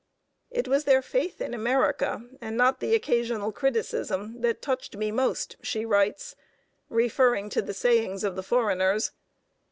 "It was the faith in America and not the occasional criticism that touched me most," she writes, referring to the sayings of the foreigners.